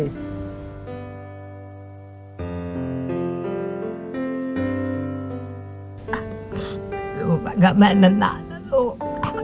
ลูกมากับแม่นานนะลูก